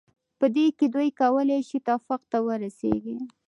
په پای کې دوی کولای شي توافق ته ورسیږي.